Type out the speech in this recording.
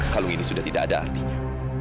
kalau ini sudah tidak ada artinya